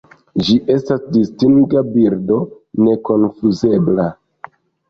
Ĝi estas distinga birdo nekonfuzebla.